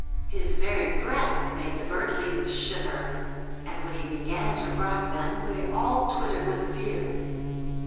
His very breath made the birdlings shiver, and when he began to rock them they all twittered with fear.